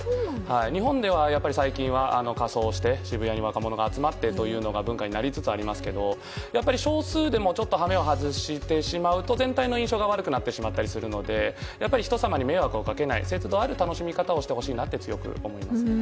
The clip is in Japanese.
日本では最近は仮装して渋谷に若者が集まってというのが文化になりつつありますがやっぱり少数でも羽目を外してしまうと全体の印象が悪くなってしまうので人様に迷惑をかけない節度ある楽しみ方をしてほしいと強く思います。